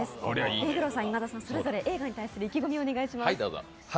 目黒さん、今田さん、それぞれ映画に対する意気込みをお願いします。